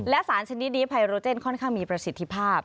และสารชนิดนี้ไพโรเจนค่อนข้างมีประสิทธิภาพ